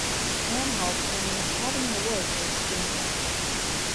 Anhalt won an Academy Award for his screenplay.